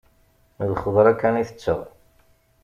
D lxeḍra kan i tetteɣ.